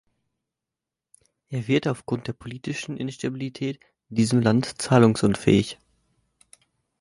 Er wird aufgrund der politischen Instabilität in diesem Land zahlungsunfähig.